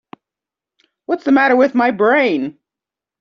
What's the matter with my brain?